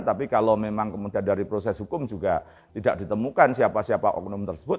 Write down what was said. tapi kalau memang kemudian dari proses hukum juga tidak ditemukan siapa siapa oknum tersebut